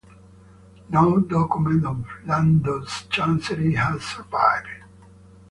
No document of Lando's chancery has survived.